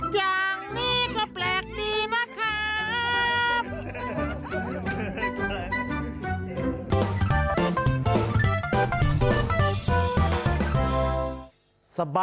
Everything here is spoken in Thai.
อย่างนี้ก็แปลกดีนะครับ